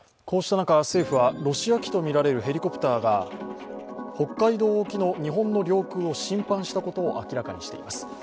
こうした中、政府はロシア機とみられるヘリコプターが北海道沖の日本の領空を侵犯したことを明らかにしています。